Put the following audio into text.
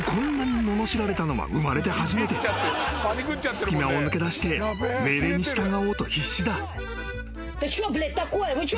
［隙間を抜け出して命令に従おうと必死だ］